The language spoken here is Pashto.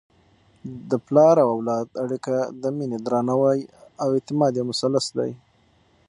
د پلار او اولاد اړیکه د مینې، درناوي او اعتماد یو مثلث دی.